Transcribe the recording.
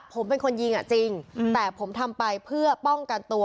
ผมเป็นคนยิงอ่ะจริงแต่ผมทำไปเพื่อป้องกันตัว